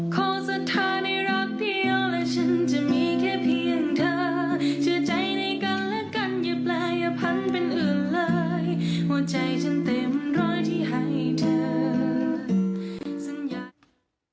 ขอสัทธาในรักเดียวและฉันจะมีแค่เพียงเธอเชื่อใจในกันและกันอย่าแปรยพันธ์เป็นอื่นเลยหัวใจฉันเต็มร้อยที่ให้เธอสัญญา